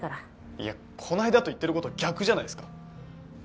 いやこの間と言ってること逆じゃないですか。